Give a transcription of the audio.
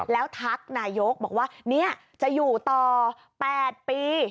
แล้วทักนายกบอกว่าเนี่ยจะอยู่ต่อ๘ปี